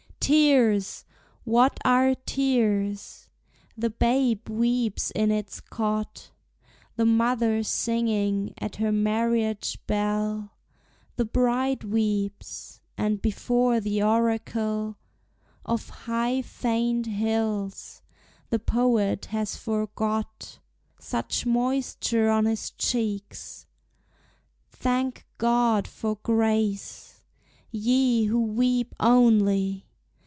Tears! what are tears? The babe weeps in its cot, The mother singing; at her marriage bell The bride weeps; and before the oracle Of high faned hills, the poet has forgot Such moisture on his cheeks. Thank God for grace, Ye who weep only!